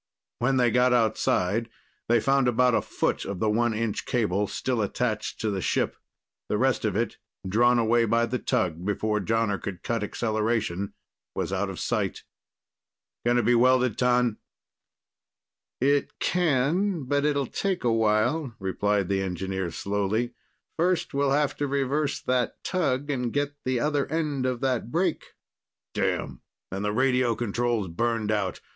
When they got outside, they found about a foot of the one inch cable still attached to the ship. The rest of it, drawn away by the tug before Jonner could cut acceleration, was out of sight. "Can it be welded, T'an?" "It can, but it'll take a while," replied the engineer slowly. "First, we'll have to reverse that tug and get the other end of that break." "Damn, and the radio control's burned out.